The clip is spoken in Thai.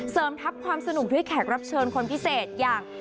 เสริมทัพความสนุกด้วยแขกรับเชิญคนพิเศษอย่าง